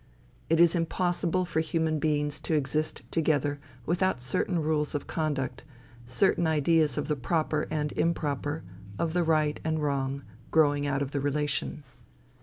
It is impossible for human beings to exist together, without certain rules of conduct, certain ideas of the proper and improper, of the right and wrong, growing out of the relation.